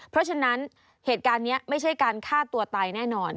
เพราะฉะนั้นเหตุการณ์นี้ไม่ใช่การฆ่าตัวตายแน่นอน